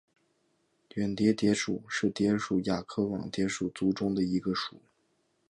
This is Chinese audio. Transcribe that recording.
远蛱蝶属是蛱蝶亚科网蛱蝶族中的一个属。